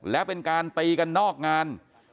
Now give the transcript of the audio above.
และเป็นการตีกันนอกงาน